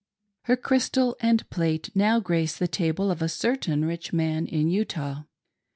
Her crystal and plate now grace the table of a certain rich man in Utah.